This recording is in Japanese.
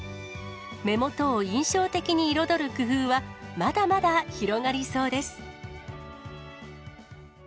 目元を印象的に彩る工夫は、まだまだ広がりそうです。